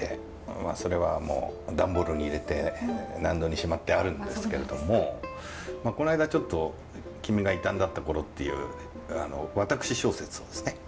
まあそれはダンボールに入れて納戸にしまってあるんですけれどもこの間ちょっと「君が異端だった頃」っていう私小説をですね